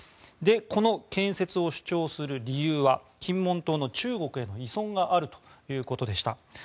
この建設を主張する理由は金門島の中国への依存があるということでした。